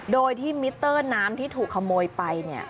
โดยที่มิเตอร์น้ำที่ถูกขโมยไปเนี่ย